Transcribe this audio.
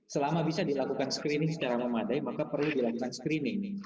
selama bisa dilakukan screening secara memadai maka perlu dilakukan screening nih